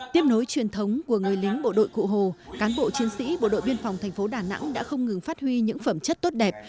tiếp nối truyền thống của người lính bộ đội cụ hồ cán bộ chiến sĩ bộ đội biên phòng tp đà nẵng đã không ngừng phát huy những phẩm chất tốt đẹp